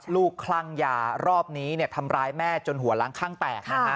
ลูกคลั่งยารอบนี้ทำร้ายแม่จนหัวลังคั่งแตก